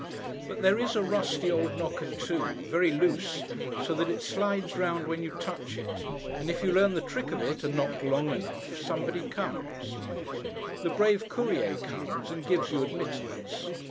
But there is a rusty old knocker, too—very loose, so that it slides round when you touch it—and if you learn the trick of it, and knock long enough, somebody comes. The brave Courier comes, and gives you admittance.